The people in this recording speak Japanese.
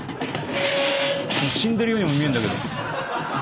死んでるようにも見えんだけど。